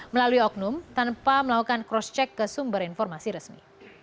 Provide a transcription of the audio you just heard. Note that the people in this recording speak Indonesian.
melalui oknum tanpa melakukan cross check ke sumber informasi resmi